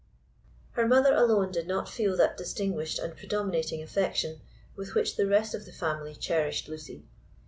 Her mother alone did not feel that distinguished and predominating affection with which the rest of the family cherished Lucy.